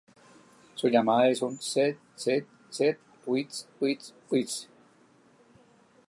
Su llamada es un "zeh-zeh-zeh" y "witz-witz-witz".